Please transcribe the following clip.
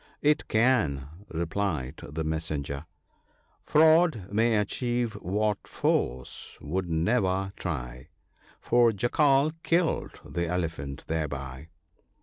" It can," replied the messenger, —" Fraud may achieve what force would never try : The Jackal killed the Elephant thereby.